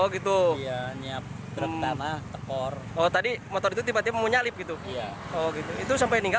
kedua korban mengaku sempat berusaha melakukan pertolongan